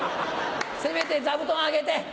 せめて座布団あげて。